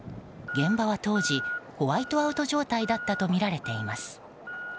現場は当時ホワイトアウト状態だったとみられています。